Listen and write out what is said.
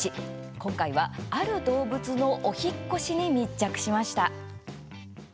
今回は、ある動物のお引っ越しに密着しました。